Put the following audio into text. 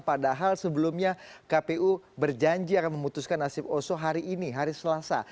padahal sebelumnya kpu berjanji akan memutuskan nasib oso hari ini hari selasa